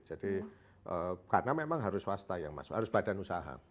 jadi karena memang harus swasta yang masuk harus badan usaha